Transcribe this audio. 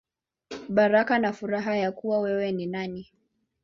Baraka na Furaha Ya Kuwa Wewe Ni Nani.